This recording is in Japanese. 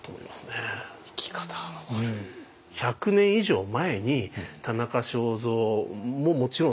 １００年以上前に田中正造ももちろんそうだし